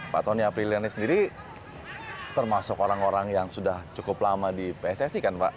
pak tony apriliani sendiri termasuk orang orang yang sudah cukup lama di pssi kan pak